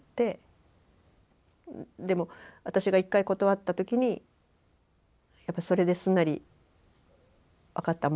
でも私が１回断った時にそれですんなり「分かった。